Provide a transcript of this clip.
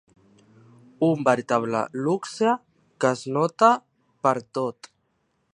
Un veritable luxe que es nota pertot.